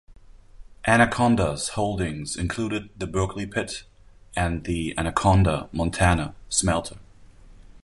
Anaconda's holdings included the Berkeley Pit and the Anaconda, Montana Smelter.